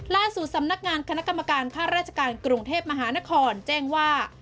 สำนักงานคณะกรรมการค่าราชการกรุงเทพมหานครแจ้งว่า